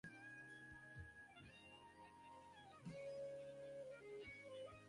ডাক্তারের কাছে যা শোনা গেল, তোমার উপর এত চাপ সইবে না।